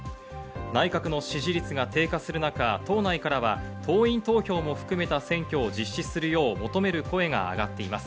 内閣の支持率が低下する中、党内からは党員投票も含めた選挙を実施するよう求める声が上がっています。